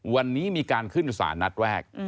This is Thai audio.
วันนี้มีการขึ้นสารนัดแรก